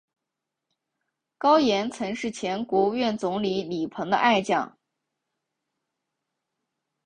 高严曾是前国务院总理李鹏的爱将。